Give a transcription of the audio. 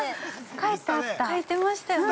◆書いてましたよね。